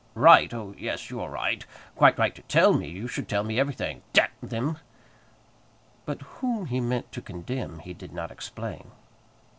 "Right! Oh, yes, you are right, quite right to tell me; you should tell me everything. D them!" But whom he meant to condemn he did not explain.